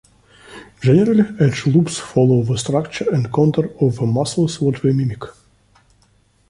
Generally edge loops follow the structure and contour of the muscles that they mimic.